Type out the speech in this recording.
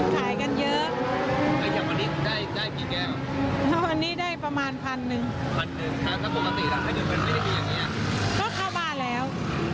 คาบาลแล้ว